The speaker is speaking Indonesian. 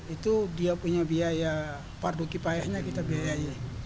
itu dia punya biaya fardu kifayanya kita biayai